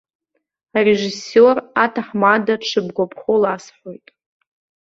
Арежиссиор, аҭаҳмада, дшыбгәаԥхо ласҳәоит.